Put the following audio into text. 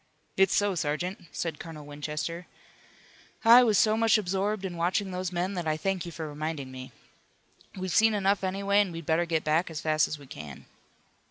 "It's so, sergeant," said Colonel Winchester. "I was so much absorbed in watching those men that I thank you for reminding me. We've seen enough anyway and we'd better get back as fast as we can."